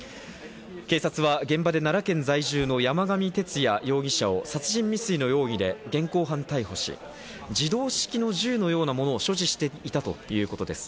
警察が現場で奈良県在住の山上徹也容疑者を殺人未遂の容疑で現行犯逮捕し、自動式の銃のようなものを所持していたということです。